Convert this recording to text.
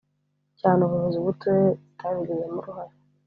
cyane ubuyobozi bw uturere zitabigizemo uruhare